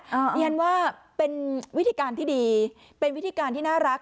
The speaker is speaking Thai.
เรียนว่าเป็นวิธีการที่ดีเป็นวิธีการที่น่ารัก